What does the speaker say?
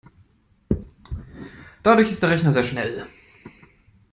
Dadurch ist der Rechner sehr schnell.